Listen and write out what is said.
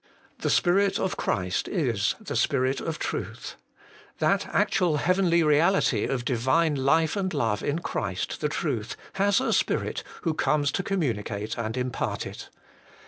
The Spirit of Christ is the Spirit of Truth ; that actual heavenly reality of Divine life and love in Christ, the Truth, has a Spirit, who comes to com municate and impart it.